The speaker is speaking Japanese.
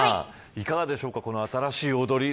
いかがでしょうか、新しい踊り。